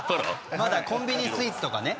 まだコンビニスイーツとかね。